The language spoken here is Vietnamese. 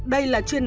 đây là chuyên án